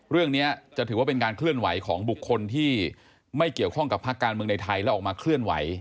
เรื่องนี้จะถือว่าเป็นการเคลื่อนไหวของบุคคลที่ไม่เกี่ยวข้องกับภาคการเมืองในไทยแล้วออกมาเคลื่อนไหว